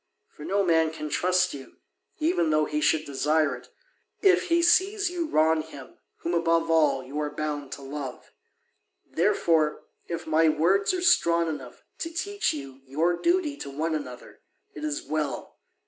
For no man can trust you, even though he should desire it, if he sees you wrong him whom above all you are bound to love. Therefore, if my words are strong enough to teach you your duty to one another, it is well.